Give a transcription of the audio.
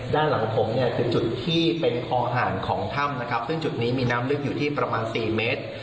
ด้านหลังผมเนี่ยคือจุดที่เป็นคอห่างของถ้ำนะครับซึ่งจุดนี้มีน้ำลึกอยู่ที่ประมาณ๔เมตร